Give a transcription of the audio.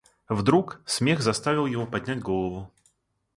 Вдруг смех заставил его поднять голову.